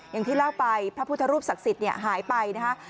อย่างที่เล่าไปพระพุทธรูปศักดิ์สิทธิ์หายไปนะคะ